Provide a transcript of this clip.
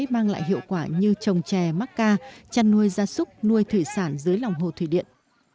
mang lại hiệu quả như trồng trè mắc ca chăn nuôi gia súc nuôi thủy sản dưới lòng hồ thủy điện